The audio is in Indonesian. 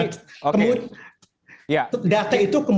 data itu kemudian direspon oleh pimpinan partai politik